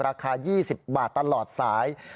ราคา๒๐บาทตลอดสาย